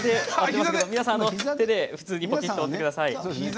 皆さん、手で普通にポキッと折ってください。